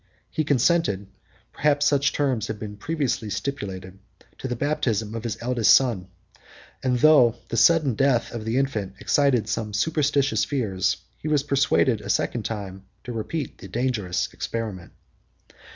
He consented (perhaps such terms had been previously stipulated) to the baptism of his eldest son; and though the sudden death of the infant excited some superstitious fears, he was persuaded, a second time, to repeat the dangerous experiment.